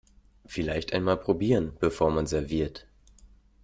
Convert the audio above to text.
Vielleicht einmal probieren, bevor man serviert.